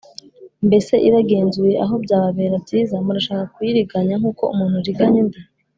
Mbese ibagenzuye aho byababera byiza? Murashaka kuyiriganya nk’uko umuntu ariganya undi?